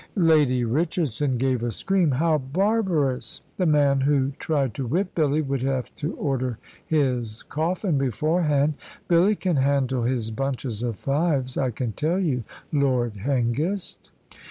Lady Richardson gave a scream. "How barbarous! The man who tried to whip Billy would have to order his coffin beforehand. Billy can handle his bunches of fives, I can tell you, Lord Hengist."